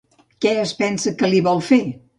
Què es pensa que li vol fer?